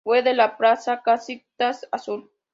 Web de la Playa Casita Azul